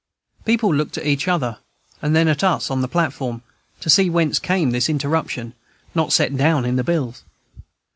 People looked at each other, and then at us on the platform, to see whence came this interruption, not set down in the bills.